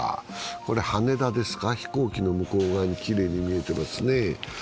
これ、羽田ですか、飛行機の向こう側にきれいに見えてますね。